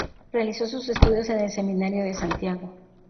Realizó sus estudios en el Seminario de Santiago.